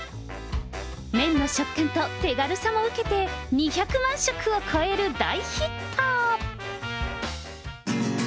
麺の食感と手軽さも受けて、２００万食を超える大ヒット。